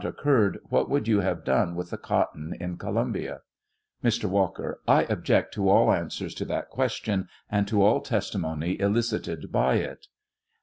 occurred, what would you have done with the cotton in Columbia ? Mr. Walker. I object to all answers to that ques tion, and to all testimony elicited by it.